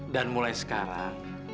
dan mulai sekarang